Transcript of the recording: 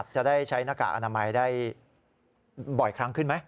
จะได้ใช้หน้ากากอนามัยได้บ่อยครั้งขึ้นไหม